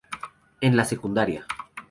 En la sec.